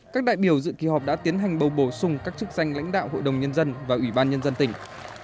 các đại biểu dự kỳ họp đã tiến hành bầu bổ sung các chức danh lãnh đạo hội đồng nhân dân và ủy ban nhân dân tỉnh